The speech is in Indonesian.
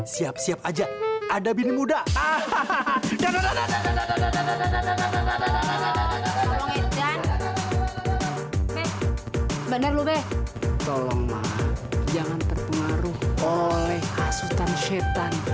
sampai jumpa di video selanjutnya